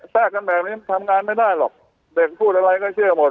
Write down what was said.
แทรกกันแบบนี้มันทำงานไม่ได้หรอกเด็กพูดอะไรก็เชื่อหมด